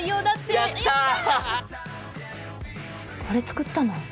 これ作ったの？